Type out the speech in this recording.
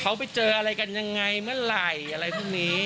เขาไปเจออะไรกันยังไงเมื่อไหร่อะไรพวกนี้